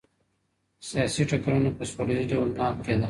سياسي ټکرونه په سوله یيز ډول نه حل کېدل.